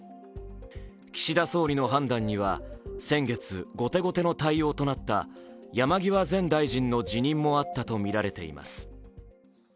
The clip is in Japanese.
岸田総理の判断には先月、後手後手の対応となった山際前大臣の辞任もあったとみられています。